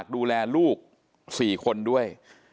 ดูแลลูก๔คนด้วย